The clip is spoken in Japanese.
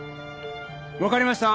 わかりました。